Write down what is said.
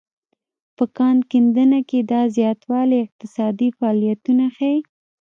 په کان کیندنه کې دا زیاتوالی اقتصادي فعالیتونه ښيي.